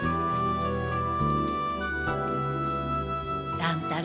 乱太郎。